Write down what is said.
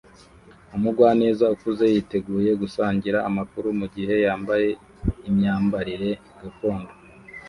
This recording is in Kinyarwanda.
Umugwaneza ukuze yiteguye gusangira amakuru mugihe yambaye imyambarire gakondo